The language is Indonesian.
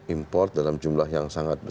import dalam jumlah yang sangat besar